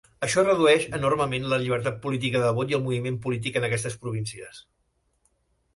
Això redueix enormement la llibertat política de vot i el moviment polític en aquestes províncies.